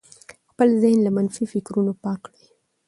خپل ذهن له منفي فکرونو پاک کړئ.